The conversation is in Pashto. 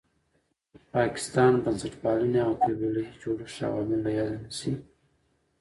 پاکستان، بنسټپالنې او قبیله یي جوړښت عوامل له یاده نه شي.